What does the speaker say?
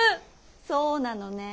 そうなのねえ。